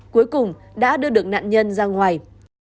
cuối cùng đã đưa được nạn nhân ra ngoài